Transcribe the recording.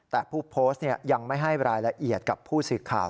แต่ผู้โพสต์ยังไม่ให้รายละเอียดกับผู้สื่อข่าว